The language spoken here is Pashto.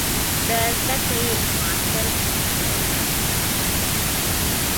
• د زده کړې معاصر سیستمونه رامنځته شول.